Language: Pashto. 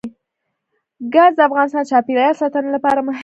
ګاز د افغانستان د چاپیریال ساتنې لپاره مهم دي.